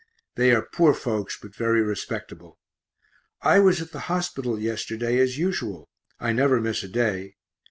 They are poor folks but very respectable. I was at the hospital yesterday as usual I never miss a day.